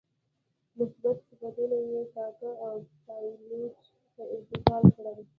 مثبت صفتونه یې کاکه او پایلوچ ته انتقال کړي.